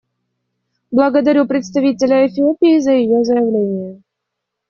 Благодарю представителя Эфиопии за ее заявление.